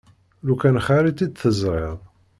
Lukan xir i tt-id-teẓriḍ!